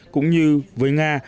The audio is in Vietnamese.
cũng như với nga